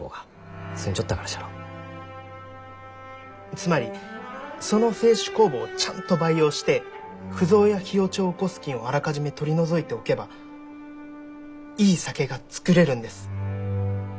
つまりその清酒酵母をちゃんと培養して腐造や火落ちを起こす菌をあらかじめ取り除いておけばいい酒が造れるんです。